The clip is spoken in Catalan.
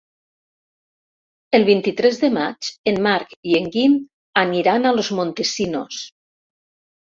El vint-i-tres de maig en Marc i en Guim aniran a Los Montesinos.